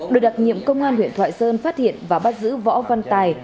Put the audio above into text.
đội đặc nhiệm công an huyện thoại sơn phát hiện và bắt giữ võ văn tài